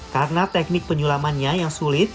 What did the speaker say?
karena teknik penyulamannya yang sulit